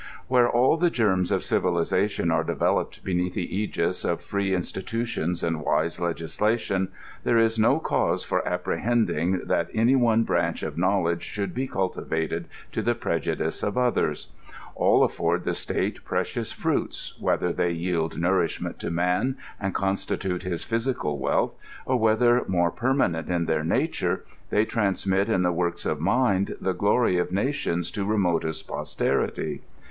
Wbere all tbe germs of civilization are devel oped beneatb tbe s^s of free institutions and wise legislation, tbere.is no cause for apprebending tbat any one brancb of knowledge sbould be cultivated to tbe prejudice of otbers. AU afibrd tbe state precious fruits, wbetber tbey yield nourisb ment to man and constitute his physical wealth, or whether, more permanent in^ their nature, they transmit in tbe works of mind the glory of nations to remotest posterity.